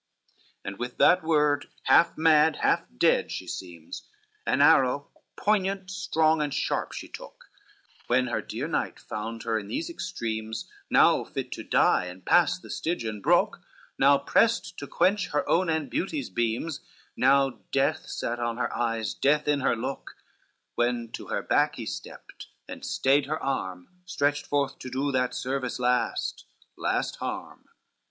CXXVII And with that word half mad, half dead, she seems, An arrow, poignant, strong and sharp she took, When her dear knight found her in these extremes, Now fit to die, and pass the Stygian brook, Now prest to quench her own and beauty's beams; Now death sat on her eyes, death in her look, When to her back he stepped, and stayed her arm Stretched forth to do that service last, last harm.